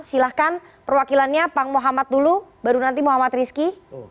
silahkan perwakilannya pak muhammad dulu baru nanti muhammad rizky